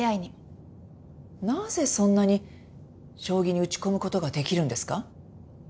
なぜそんなに将棋に打ち込む事ができるんですか？